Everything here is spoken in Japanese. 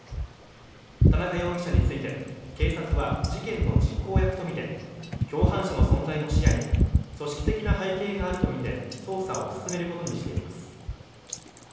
田中容疑者について警察は事件の実行役とみて共犯者の存在も視野に組織的な背景があるとみて捜査を進めることにしています。